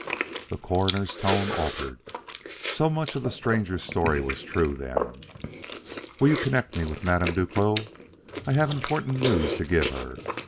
The Coroner's tone altered. So much of the stranger's story was true, then. "Will you connect me with Madame Duclos. I have important news to give her.